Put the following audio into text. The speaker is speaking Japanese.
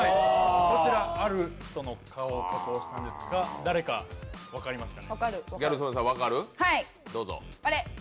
こちら、ある人の顔を加工したんですが誰か分かりますか？